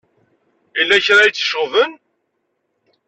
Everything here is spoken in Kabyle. Yella kra i tt-iceɣben.